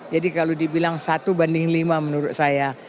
jadi kalau dibilang satu banding lima menurut saya